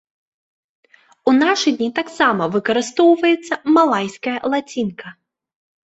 У нашы дні таксама выкарыстоўваецца малайская лацінка.